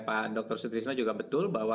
pak dr sutrisno juga betul bahwa